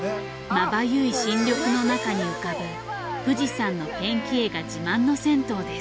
まばゆい新緑の中に浮かぶ富士山のペンキ絵が自慢の銭湯です。